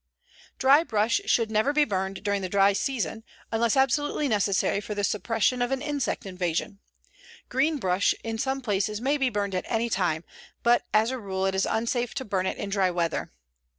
"Dry brush should never be burned during the dry season, unless absolutely necessary for the suppression of an insect invasion. Green brush in some places may be burned at any time, but as a rule it is unsafe to burn it in dry weather.